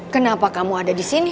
kenapa kamu ada di sini